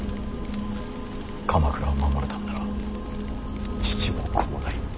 鎌倉を守るためなら父も子もない。